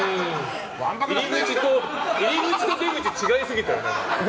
入口と出口、違いすぎたな。